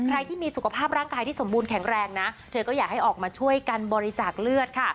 ใครที่มีสุขภาพร่างกายที่สมบูรณแข็งแรงนะเธอก็อยากให้ออกมาช่วยกันบริจาคเลือดค่ะ